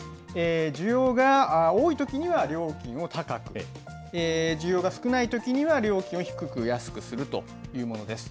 需要が多いときには料金を高く、需要が少ないときには料金を低く、安くするというものです。